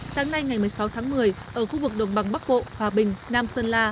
sáng nay ngày một mươi sáu tháng một mươi ở khu vực đồng bằng bắc bộ hòa bình nam sơn la